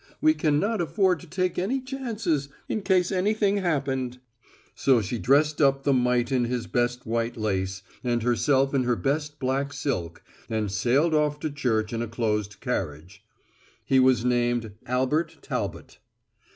We cannot afford to take any chances in case anything happened." So she dressed up the mite in his best white lace, and herself in her best black silk and sailed off to church in a closed carriage. He was named Albert Talbot.